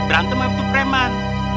berantem sama itu preman